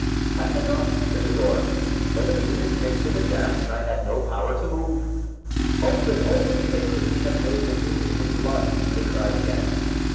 "I cannot," said the door, "for the beam is fixed in the jambs and I have no power to move." "Open, open, cake that we have made and mingled with blood!" they cried again.